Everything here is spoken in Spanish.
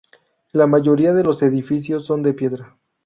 La mayoría de los edificios son de piedra.